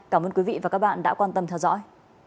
cảm ơn quý vị và các bạn đã quan tâm theo dõi